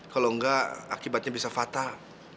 kalau enggak akibatnya bisa fatal